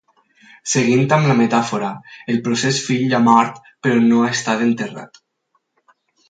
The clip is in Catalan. Seguint amb la metàfora, el procés fill ha mort però no ha estat enterrat.